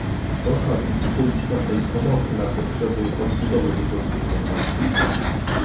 Można z nich udzielić pewnej pomocy na potrzeby odbudowy długoterminowej